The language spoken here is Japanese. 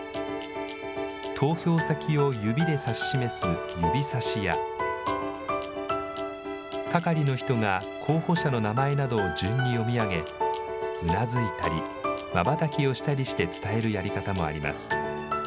投票先を指でさし示す指さしや、係の人が候補者の名前などを順に読み上げ、うなずいたり、まばたきをしたりして伝えるやり方もあります。